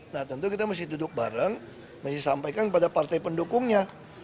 nah tentu kita mesti duduk bareng mesti sampaikan pada partai pendukungnya